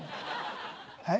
はい？